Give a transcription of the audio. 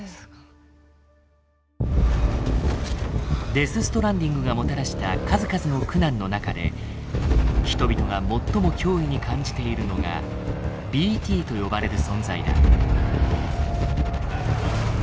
デス・ストランディングがもたらした数々の苦難の中で人々が最も脅威に感じているのが「ＢＴ」と呼ばれる存在だ。